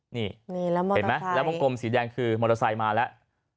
เห็นไหมแรมม์กลมสีแดงมอเตอร์ไซค์คือมอเตอร์ไซค์มาและ